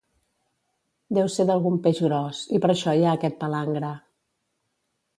Deu ser d'algun peix gros, i per això hi ha aquest palangre.